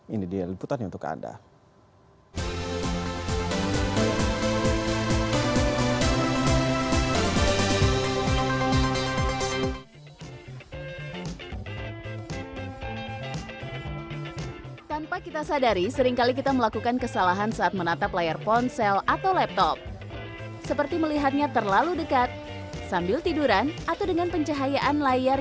ini dia liputannya untuk anda